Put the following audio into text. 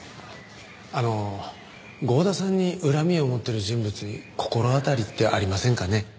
あの郷田さんに恨みを持ってる人物に心当たりってありませんかね？